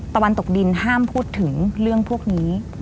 ตะวันตกดินห้ามพูดถึงเรื่องพวกนี้